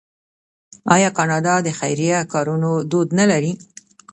آیا کاناډا د خیریه کارونو دود نلري؟